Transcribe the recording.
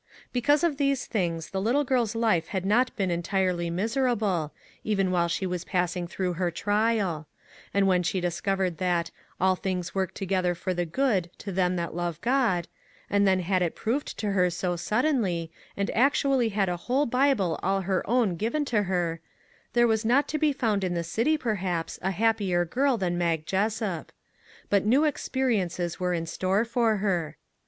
Because of these things the little girl's life MAG AND MARGARET had not been entirely miserable, even while she was passing through her trial; and when she discovered that " all things work together for good to them that love God," and then had it proved to her so suddenly, and actually had a whole Bible all her own given to her, there was not to be found in the city, perhaps, a happier girl than Mag Jessup. But new experiences were in store for her.